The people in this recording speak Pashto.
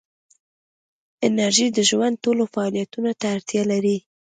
انرژي د ژوند ټولو فعالیتونو ته اړتیا ده.